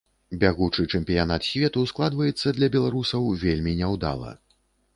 Бягучы чэмпіянат свету складваецца для беларусаў вельмі няўдала.